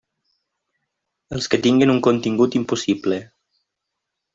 Els que tinguen un contingut impossible.